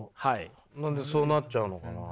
何でそうなっちゃうのかな。